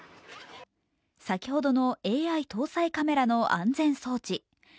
先ほどのＡＩ搭載カメラの安全装置。